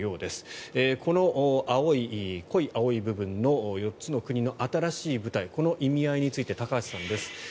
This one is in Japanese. この濃い青い部分の４つの国の新しい部隊この意味合いについて高橋さんです。